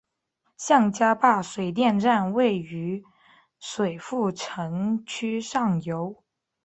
向家坝水电站位于水富城区上游。